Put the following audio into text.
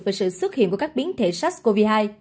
về sự xuất hiện của các biến thể sars cov hai